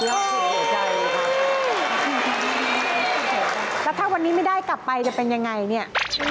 แล้วถ้าวันนี้ไม่ได้กลับไปจะเป็นยังไงเนี่ย